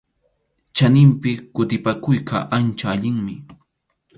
Chaninpi kutipakuyqa ancha allinmi.